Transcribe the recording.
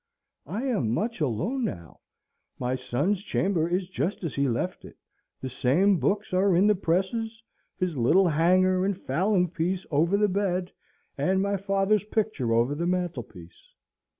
I am much alone now. My son's chamber is just as he left it: the same books are in the presses: his little hanger and fowling piece over the bed, and my father's picture over the mantelpiece.